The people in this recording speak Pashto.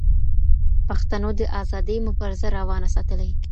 پښتنو د آزادۍ مبارزه روانه ساتلې.